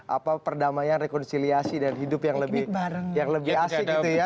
apa perdamaian rekonsiliasi dan hidup yang lebih asik gitu ya